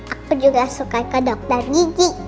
aku juga suka ke dokter gigi